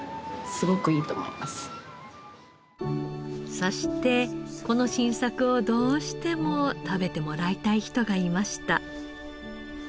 そしてこの新作をどうしても食べてもらいたい人がいました。